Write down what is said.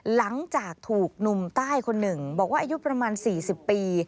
หลังจากถูกหนุ่มใต้คนหนึ่งบอกว่าอายุประมาณ๔๐ปี